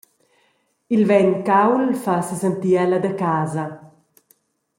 Il vent cauld fa sesentir ella da casa.